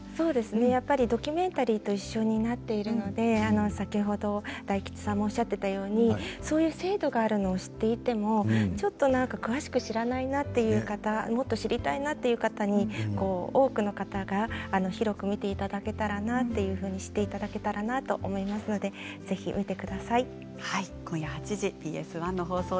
やっぱりドキュメンタリーと一緒になっているので先ほど大吉さんもおっしゃっていたようにそういう制度があるのを知っていてもちょっと詳しく知らないなという方、もっと知りたいなという方に多くの方に広く見ていただけたらなと知っていただけたらなと思いますのでぜひ見てください。